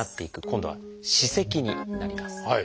今度は「歯石」になります。